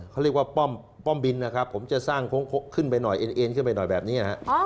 เขาเรียกว่าป้อมบินนะครับผมจะสร้างโค้งขึ้นไปหน่อยเอ็นขึ้นไปหน่อยแบบนี้ฮะ